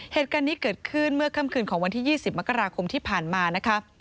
เหตุการณ์นี้เกิดขึ้นเมื่อค่ำคืนของวันที่๒๐มกราคมที่ผ่านมานะคะ